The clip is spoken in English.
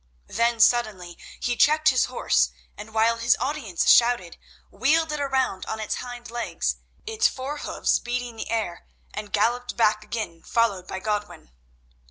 Then suddenly he checked his horse, and while his audience shouted, wheeled it around on its hind legs, its forehoofs beating the air, and galloped back again, followed by Godwin.